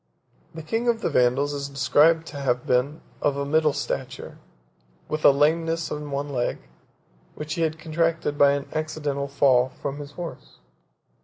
The king of the Vandals is described to have been of a middle stature, with a lameness in one leg, which he had contracted by an accidental fall from his horse.